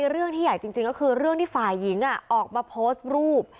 เรื่องที่ใหญ่จริงก็คือเรื่องที่ฝ่ายหญิงออกมาโพสต์รูป